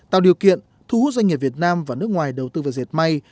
tạo điều kiện thu hút doanh nghiệp việt nam và nước ngoài đầu tư vào dệt may